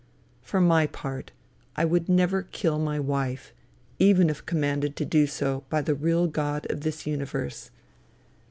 For my part, I would never kill my wife, even if commanded so to do by the real God of this universe.